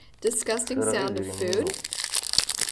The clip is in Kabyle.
Ffreɣ idrimen-inu.